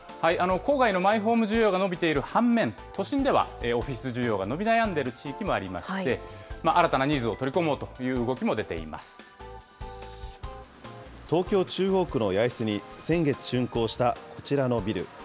郊外のマイホーム需要が伸びている反面、都心ではオフィス需要が伸び悩んでいる地域もありまして、新たなニーズを取り込もう東京・中央区の八重洲に先月しゅんこうしたこちらのビル。